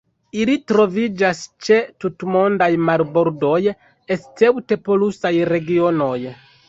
Ili troviĝas ĉe tutmondaj marbordoj escepte polusaj regionoj.